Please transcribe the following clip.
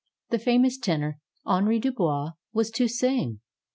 The famous tenor, Henri Dubois, was to sing.